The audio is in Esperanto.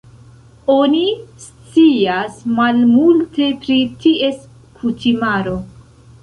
Oni scias malmulte pri ties kutimaro.